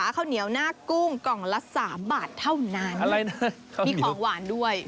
ข้าวเหนียวหน้ากุ้งกล่องละสามบาทเท่านั้นอะไรนะมีของหวานด้วย